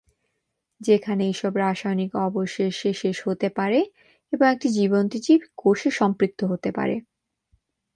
যেখানে এইসব রাসায়নিক অবশেষে শেষ হতে পারে এবং একটি জীবন্ত জীব কোষে সম্পৃক্ত হতে পারে।